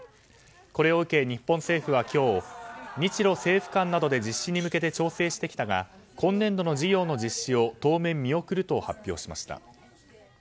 これを受け、日本政府は今日日露政府間などで実施に向けて調整してきたが今年度の事業の実施を当面見送ると発表しました。